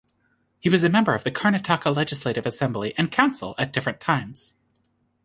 He was member of the Karnataka Legislative Assembly and council at different times.